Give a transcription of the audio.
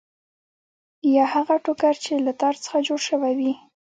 یا هغه ټوکر چې له تار څخه جوړ شوی وي.